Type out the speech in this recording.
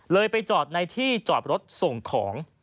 ไปจอดในที่จอดรถส่งของ